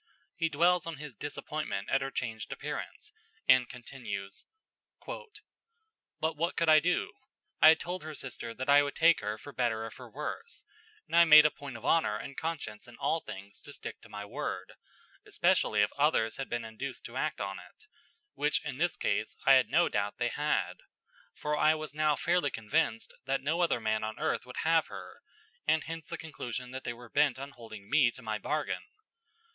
He dwells on his disappointment at her changed appearance, and continues: "But what could I do? I had told her sister that I would take her for better or for worse, and I made a point of honor and conscience in all things to stick to my word, especially if others had been induced to act on it, which in this case I had no doubt they had; for I was now fairly convinced that no other man on earth would have her, and hence the conclusion that they were bent on holding me to my bargain.